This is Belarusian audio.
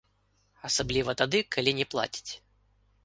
Асабліва тады, калі не плацяць.